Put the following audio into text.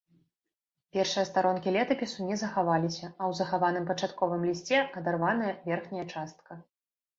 Першыя старонкі летапісу не захаваліся, а ў захаваным пачатковым лісце адарваная верхняя частка.